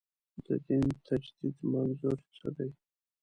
د دین تجدید منظور څه دی.